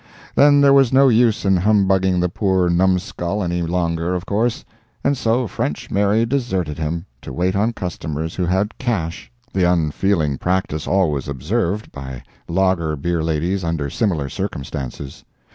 Then there was no use in humbugging the poor numscull any longer, of course; and so French Mary deserted him, to wait on customers who had cash—the unfeeling practice always observed by lager beer ladies under similar circumstances.